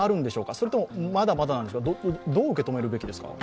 それともまだまだなんでしょうか、どう受け止めるべきですか？